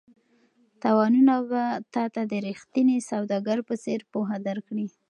تاوانونه به تا ته د ریښتیني سوداګر په څېر پوهه درکړي.